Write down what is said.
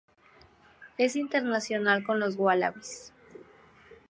Es internacional con los Wallabies.